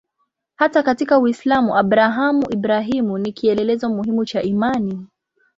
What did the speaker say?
Hata katika Uislamu Abrahamu-Ibrahimu ni kielelezo muhimu cha imani.